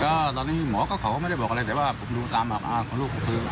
ก็ตอนนี้หมอก็เขาก็ไม่ได้บอกอะไรแต่ว่าผมดูตามของลูกก็คือ